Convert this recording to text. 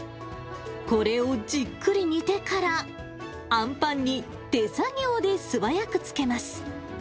これをじっくり煮てから、あんパンに手作業で素早くつけます。